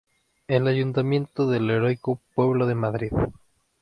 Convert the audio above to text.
El Ayuntamiento del heroico pueblo de Madrid.